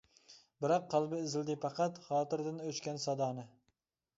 بىراق قەلبى ئىزلىدى پەقەت، خاتىرىدىن ئۆچكەن سادانى.